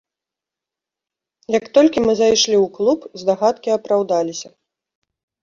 Як толькі мы зайшлі ў клуб, здагадкі апраўдаліся.